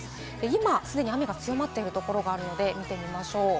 今、既に雨が強まっているところがあるので見てみましょう。